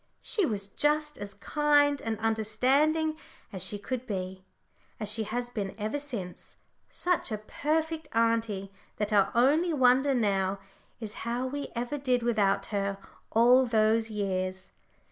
She was just as kind and understanding as she could be, as she has been ever since such a perfect auntie that our only wonder now is how we ever did without her all those years.